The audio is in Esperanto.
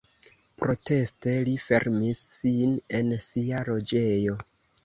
Proteste li fermis sin en sia loĝejo.